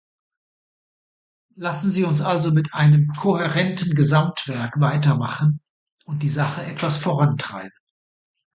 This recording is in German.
Lassen Sie uns also mit einem kohärenten Gesamtwerk weitermachen und die Sache etwas vorantreiben.